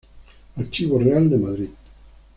Archivo Real de Madrid.